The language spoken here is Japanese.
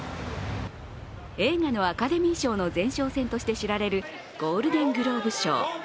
映画のアカデミー賞の前哨戦として知られるゴールデン・グローブ賞。